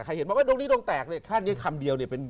เห็นบอกว่าดวงนี้ดวงแตกเลยแค่นี้คำเดียวเนี่ย